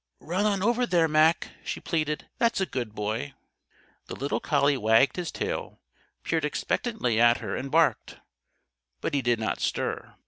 "Run on over there, Mac!" she pleaded. "That's a good boy!" The little collie wagged his tail, peered expectantly at her, and barked. But he did not stir.